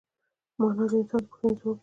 مانا د انسان د پوښتنې ځواب دی.